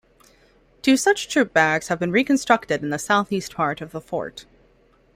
Two such troop barracks have been reconstructed in the southeast part of the fort.